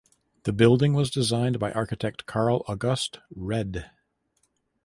The building was designed by architect Karl August Wrede.